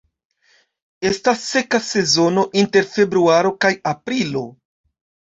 Estas seka sezono inter februaro kaj aprilo.